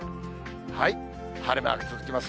晴れマーク続きます。